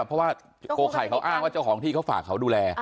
เพราะว่าโกไข่เขาอ้างว่าเจ้าของที่เขาฝากเขาดูแล